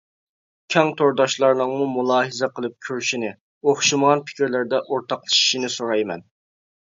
كەڭ تورداشلارنىڭمۇ مۇلاھىزە قىلىپ كۆرۈشىنى، ئوخشىمىغان پىكىرلەردە ئورتاقلىشىشىنى سورايمەن.